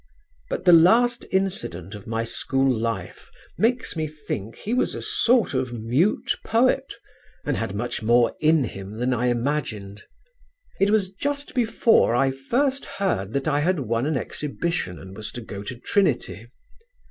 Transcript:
But the last incident of my school life makes me think he was a sort of mute poet, and had much more in him than I imagined. It was just before I first heard that I had won an Exhibition and was to go to Trinity.